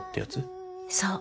そう。